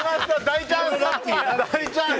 大チャンス！